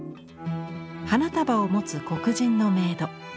花束を持つ黒人のメイド。